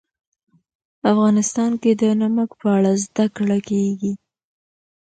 افغانستان کې د نمک په اړه زده کړه کېږي.